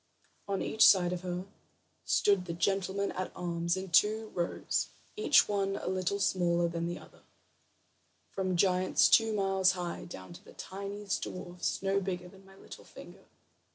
On each side of her stood the gentlemen at arms in two rows, each one a little smaller than the other, from giants two miles high, down to the tiniest dwarf no bigger than my little finger.